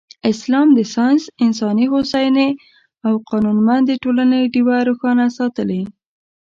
اسلام د ساینس، انساني هوساینې او قانونمندې ټولنې ډېوه روښانه ساتلې.